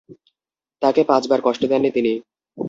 তাকে পাঁচবার কষ্ট দেননি তিনি।